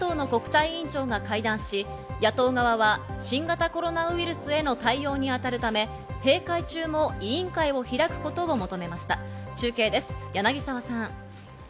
先ほど予野党の国対委員長が会談し、野党側は新型コロナウイルスへの対応に当たるため、閉会中も委員会を開くことを求めました中継です、柳沢さん。